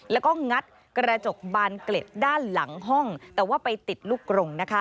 แล้วก็งัดกระจกบานเกล็ดด้านหลังห้องแต่ว่าไปติดลูกกรงนะคะ